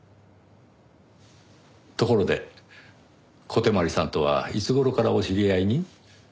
ところで小手鞠さんとはいつ頃からお知り合いに？